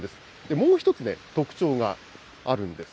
もう１つ特徴があるんです。